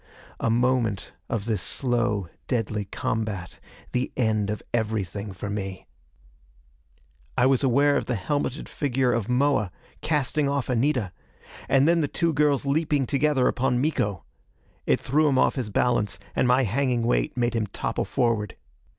A moment of this slow deadly combat the end of everything for me. I was aware of the helmeted figure of Moa casting off Anita and then the two girls leaping together upon Miko. It threw him off his balance, and my hanging weight made him topple forward.